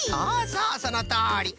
そうそうそのとおり。